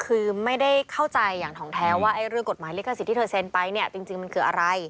คือไม่ได้เข้าใจอย่างทองแท้ว่าเรื่องกฎหมายลิขสิทธิ์เธอเซ็นไปเนี่ยจริงมันคืออะไร